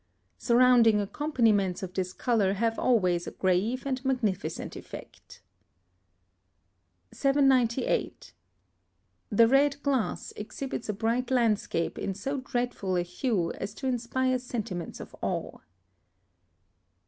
Surrounding accompaniments of this colour have always a grave and magnificent effect. 798. The red glass exhibits a bright landscape in so dreadful a hue as to inspire sentiments of awe.